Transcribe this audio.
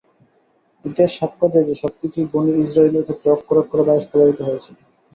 ইতিহাস সাক্ষ্য দেয় যে, সবকিছুই বনী ইসরাঈলের ক্ষেত্রে অক্ষরে অক্ষরে বাস্তবায়িত হয়েছিল।